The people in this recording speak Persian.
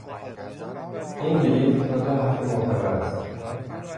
این بلیط تا دو هفته معتبر است.